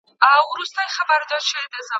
استاد د څيړني ستونزې تشریح کوي.